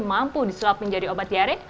mampu disuap menjadi obat diare